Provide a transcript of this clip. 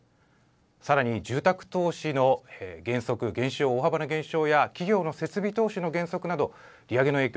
さらに住宅投資の減速、減少、大幅な減少や企業の設備投資の減速など利上げの影響